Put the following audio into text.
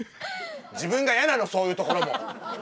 自分が嫌なのそういうところも。